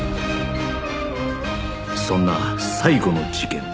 そんな最後の事件